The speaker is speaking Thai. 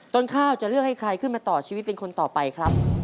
ต้นข้าวจะเลือกให้ใครขึ้นมาต่อชีวิตเป็นคนต่อไปครับ